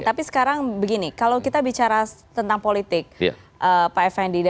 tapi sekarang begini kalau kita bicara tentang politik pak effendi